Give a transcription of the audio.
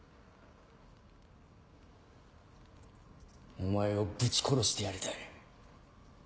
お前をぶち殺してやりたい。